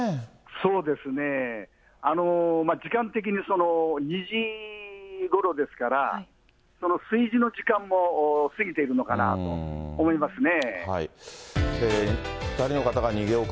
そうですね、時間的に２時ごろですから、炊事の時間も過ぎているのかなと思いますね。